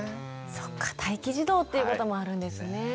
そっか待機児童っていうこともあるんですね。